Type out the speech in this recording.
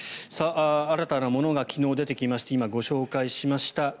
新たなものが昨日出てきまして今、ご紹介しました。